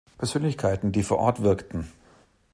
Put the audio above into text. Persönlichkeiten, die vor Ort wirkten